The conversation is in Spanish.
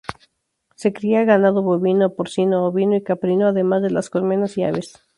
Se cría ganado bovino, porcino, ovino y caprino, además de colmenas y aves.